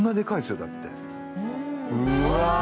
うわ。